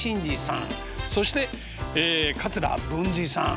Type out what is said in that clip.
そして桂文治さん。